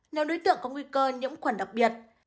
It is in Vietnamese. nhóm đối tượng có nguy cơ nhiễm khuẩn đặc biệt